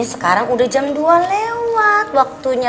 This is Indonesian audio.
itu cats indication kan kayak satunya